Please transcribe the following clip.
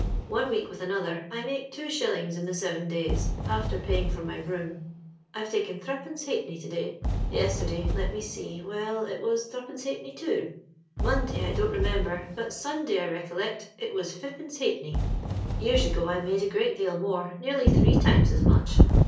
One week with another, I make two shillings in the seven days, after paying for my broom. I have taken tlireppence ha'penny to day. Yesterday — let me see — well, it was threppence ha'penny, too ; Monday I don't re member; but Sundoy I recollect — it was fip pence ha'penny. Years ago I made a great deal more — nearly three times as much.